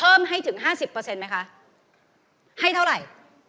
ให้ถึง๕๐ไหมคะให้เท่าไหร่